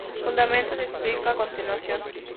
Su fundamento se explica a continuación.